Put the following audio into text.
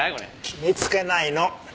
決めつけないの！